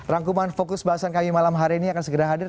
rangkuman fokus bahasan kami malam hari ini akan segera hadir